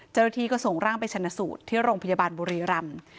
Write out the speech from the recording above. เจรฐีก็ส่งร่างไปชนสูตรที่โรงพยาบาลบุรีรำ